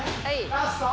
ラスト！